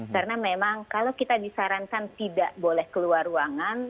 karena memang kalau kita disarankan tidak boleh keluar ruangan